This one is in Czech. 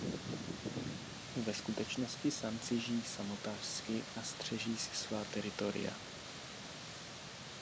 Ve skutečnosti samci žijí samotářsky a střeží si svá teritoria.